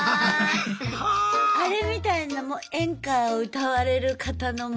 あれみたいなもう演歌を歌われる方の前で。